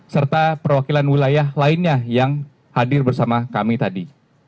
serta perwakilan wilayah lainnya yang hadir bersama kami tadi